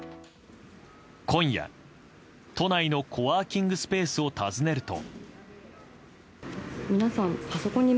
今夜、都内のコワーキングスペースを訪ねると。